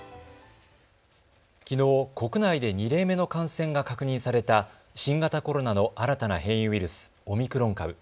きのう国内で２例目の感染が確認された新型コロナの新たな変異ウイルス、オミクロン株。